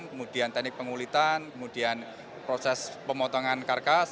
kemudian teknik pengulitan kemudian proses pemotongan karkas